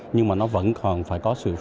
nhưng mà nó vẫn còn phải có sự phân tích